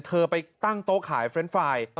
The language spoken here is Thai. เธอไปตั้งโต๊ะขายเฟรนด์ไฟล์